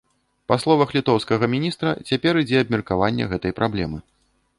Па словах літоўскага міністра, цяпер ідзе абмеркаванне гэтай праблемы.